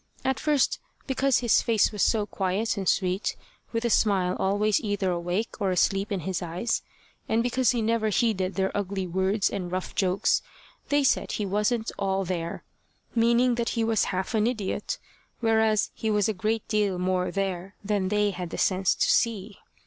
At first, because his face was so quiet and sweet, with a smile always either awake or asleep in his eyes, and because he never heeded their ugly words and rough jokes, they said he wasn't all there, meaning that he was half an idiot, whereas he was a great deal more there than they had the sense to see.